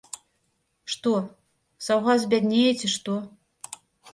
Што, саўгас збяднее, ці што?